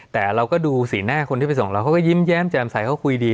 แต่เราก็ดูสีหน้าคนที่ไปส่งเราเขาก็ยิ้มแย้มแจ่มใสเขาคุยดี